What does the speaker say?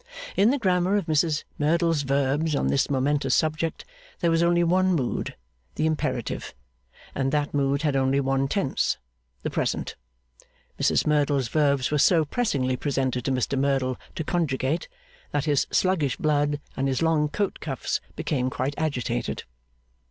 In the grammar of Mrs Merdle's verbs on this momentous subject, there was only one mood, the Imperative; and that Mood had only one Tense, the Present. Mrs Merdle's verbs were so pressingly presented to Mr Merdle to conjugate, that his sluggish blood and his long coat cuffs became quite agitated.